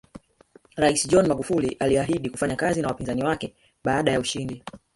Rais John Magufuli aliahidi kufanya kazi na wapinzani wake baada ya ushindi